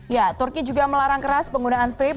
ya turki juga melarang keras penggunaan vape